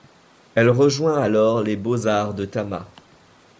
Elle rejoint alors les Beaux-arts de Tama.